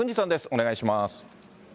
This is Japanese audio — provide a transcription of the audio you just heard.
お願いします。